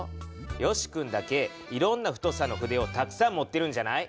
よし君だけいろんな太さの筆をたくさん持ってるんじゃない？